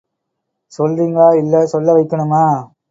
சொல்றிங்களா.. இல்ல, சொல்ல வைக்கணுமா?